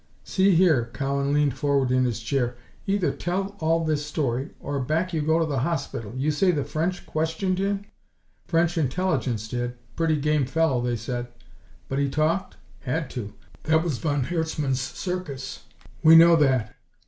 "See here," Cowan leaned forward in his chair, "either tell all this story, or back you go to the hospital. You say the French questioned him?" "French Intelligence did. Pretty game fellow, they said." "But he talked?" "Had to. That was von Herzmann's Circus." "We know that.